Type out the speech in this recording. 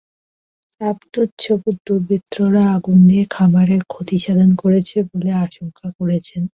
আবদুর ছবুর দুর্বৃত্তরা আগুন দিয়ে খামারের ক্ষতিসাধন করেছে বলে আশঙ্কা করছেন।